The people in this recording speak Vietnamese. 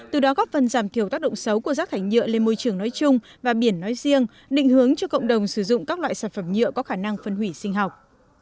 từ đó góp phần giảm thiểu tác động xấu của rác thải nhựa lên môi trường nói chung và biển nói riêng định hướng cho cộng đồng sử dụng các loại sản phẩm nhựa có khả năng phân hủy sinh học